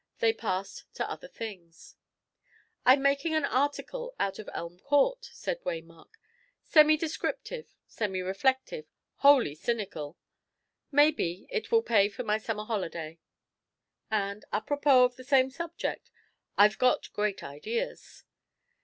They passed to other things. "I'm making an article out of Elm Court," said Waymark. "Semi descriptive, semi reflective, wholly cynical Maybe it will pay for my summer holiday. And, apropos of the same subject, I've got great ideas.